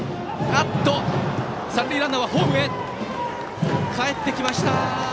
三塁ランナーはホームへかえってきました！